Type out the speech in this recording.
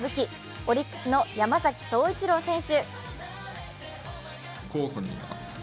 オリックスの山崎颯一郎選手。